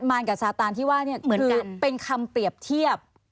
กับซาตานที่ว่าเนี่ยเหมือนกับเป็นคำเปรียบเทียบ